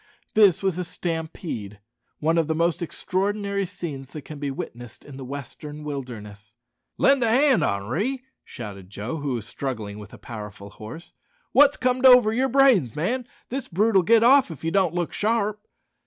This was a stampede, one of the most extraordinary scenes that can be witnessed in the western wilderness. "Lend a hand, Henri," shouted Joe, who was struggling with a powerful horse. "Wot's comed over yer brains, man? This brute'll git off if you don't look sharp."